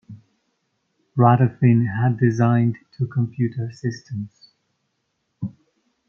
Radofin had designed two computer systems.